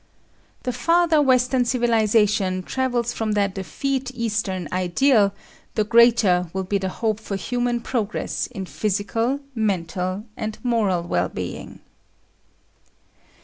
The farther Western civilisation travels from that effete Eastern ideal, the greater will be the hope for human progress in physical, mental and moral well being.